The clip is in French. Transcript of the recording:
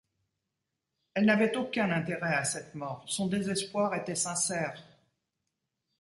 Elle n’avait aucun intérêt à cette mort, son désespoir était sincère.